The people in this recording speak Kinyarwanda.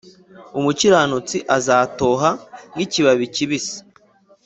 umukiranutsi azatoha nk’ikibabi kibisi